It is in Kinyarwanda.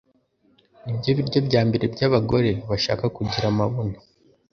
nibyo biryo bya mbere byabagore bashaka kugira amabuno